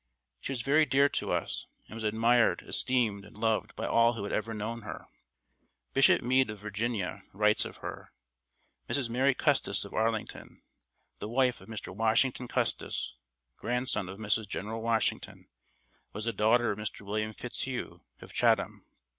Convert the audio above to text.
She was very dear to us, and was admired, esteemed, and loved by all who had ever known her. Bishop Meade, of Virginia, writes of her: "Mrs. Mary Custis, of Arlington, the wife of Mr. Washington Custis, grandson of Mrs. General Washington, was the daughter of Mr. William Fitzhugh, of Chatham.